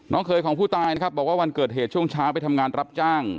เคยของผู้ตายนะครับบอกว่าวันเกิดเหตุช่วงเช้าไปทำงานรับจ้าง